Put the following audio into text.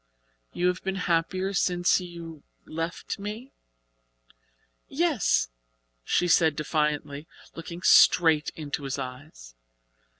You have been happier since you left me?" "Yes," she said defiantly, looking straight into his eyes.